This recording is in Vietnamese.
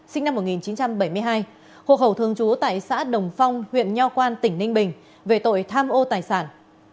sinh năm một nghìn chín trăm bảy mươi hai hộ khẩu thường trú tại xã đồng phong huyện nho quan tỉnh ninh bình về tội tham ô tài sản